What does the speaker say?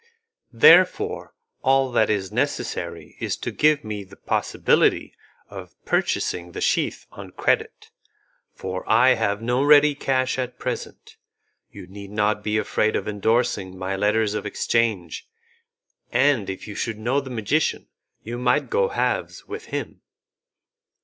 "Therefore all that is necessary is to give me the possibility of purchasing the sheath on credit, for I have no ready cash at present. You need not be afraid of endorsing my letters of exchange, and if you should know the magician you might go halves with him."